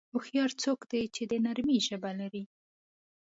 هوښیار څوک دی چې د نرمۍ ژبه لري.